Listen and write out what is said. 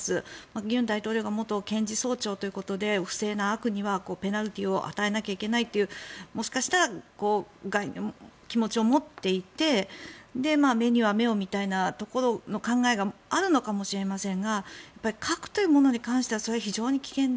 尹大統領が元検事総長ということで不正な悪にはペナルティーを与えないといけないというもしかしたら気持ちを持っていて目には目をみたいなところの考えがあるのかもしれませんが核というものに関してはそれは非常に危険で。